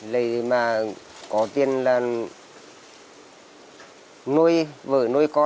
lời mà có tiền là nuôi vợ nuôi con ăn học